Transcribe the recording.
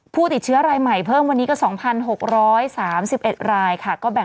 ผู้ติดเชื้อรายใหม่เพิ่มวันนี้ก็๒๖๓๑รายค่ะก็แบ่ง